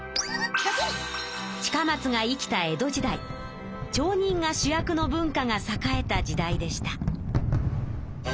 近松が生きた江戸時代町人が主役の文化が栄えた時代でした。